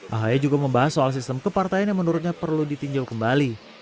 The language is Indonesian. ahaya juga membahas soal sistem kepartaian yang menurutnya perlu ditinjau kembali